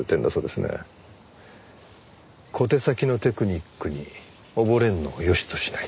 小手先のテクニックに溺れるのを良しとしない。